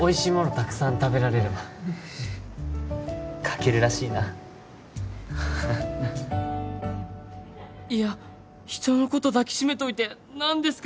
たくさん食べられればカケルらしいないや人のこと抱きしめといて何ですか？